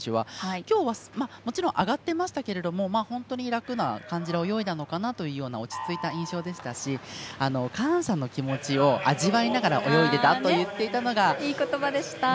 今日は、もちろん上がっていましたけれども本当に楽な感じで泳いだのかなという落ち着いた印象でしたし感謝の気持ちを味わいながら泳いでいたと言っていたのがね。